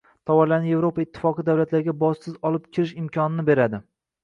tovarlarni Yevropa Ittifoqi davlatlariga bojsiz olib kirish imkonini beradi.